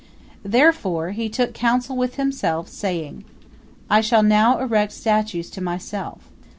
Therefore he took counsel with himself, saying: "I shall now erect statues to myself.